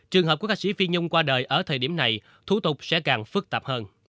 trường hợp của ca sĩ phi nhung qua đời ở thời điểm này thủ tục sẽ càng phức tạp hơn